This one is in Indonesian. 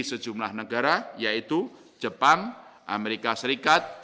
sejumlah negara yaitu jepang amerika serikat